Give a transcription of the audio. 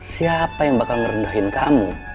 siapa yang bakal merendahin kamu